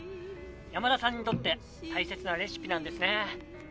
山田さんにとって大切なレシピなんですね。